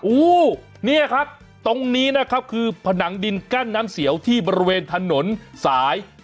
อู้เนี่ยครับตรงนี้นะครับคือผนังดินกั้นน้ำเสียวที่บริเวณถนนสาย